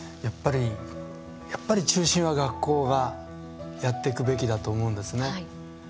やっぱり、中心は学校がやっていくべきだと思うんですね。